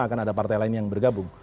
akan ada partai lain yang bergabung